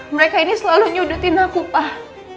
mereka ini selalu nyudutin aku pak